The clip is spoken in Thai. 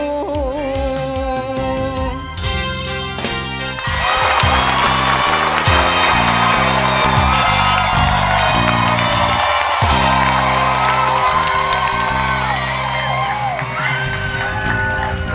คุณน้อย